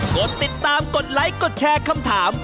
กดติดตามกดไลค์กดแชร์คำถาม